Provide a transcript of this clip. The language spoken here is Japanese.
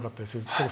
すごい。